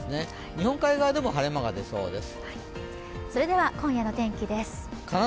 日本海側でも晴れ間が出そうです。